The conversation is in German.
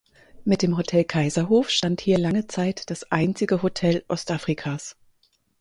Mit dem Hotel Kaiserhof stand hier lange Zeit das einzige Hotel Ostafrikas.